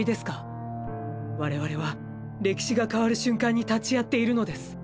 我々は歴史が変わる瞬間に立ち会っているのです。